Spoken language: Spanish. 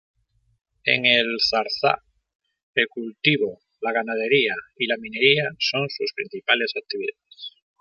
En El Zarza, el cultivo, la ganadería y la minería son sus principales actividades.